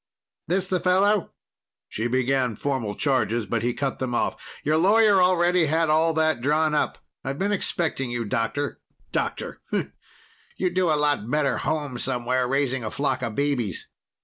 "This the fellow?" She began formal charges, but he cut them off. "Your lawyer already had all that drawn up. I've been expecting you, Doctor. Doctor! Hnnf! You'd do a lot better home somewhere raising a flock of babies.